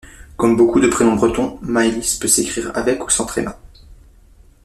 Comme beaucoup de prénoms bretons, Maëlys peut s'écrire avec ou sans tréma.